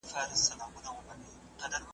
ته به یې او زه به نه یم .